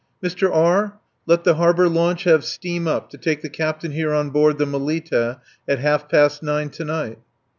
"Mr. R., let the harbour launch have steam up to take the captain here on board the Melita at half past nine to night."